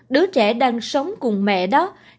đứa trẻ đang sống cùng mẹ đó